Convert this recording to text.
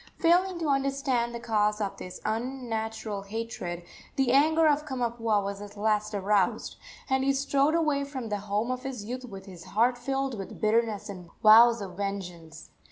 Failing to understand the cause of this unnatural hatred, the anger of Kamapuaa was at last aroused, and he strode away from the home of his youth with his heart filled with bitterness and vows of vengeance.